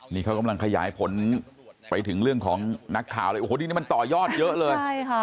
นี่เขากำลังขยายผลไปถึงเรื่องของนักข่าวเลยโอ้โหที่นี่มันต่อยอดเยอะเลยใช่ค่ะ